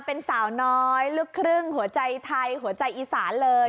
เป็นสาวน้อยรูขึ้นหัวใจไทยหัวใจอีสานแล้ว